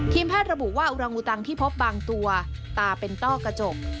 แพทย์ระบุว่าอุรังอุตังที่พบบางตัวตาเป็นต้อกระจก